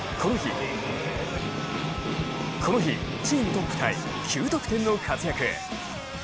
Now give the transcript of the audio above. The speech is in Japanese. この日、チームトップタイ、９得点の活躍。